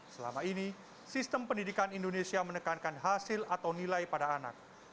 selama ini sistem pendidikan indonesia menekankan hasil atau nilai pada anak